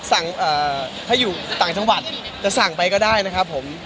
ให้ถ้าอยู่ต่างจังหวัดก็สางไปได้นะครับผม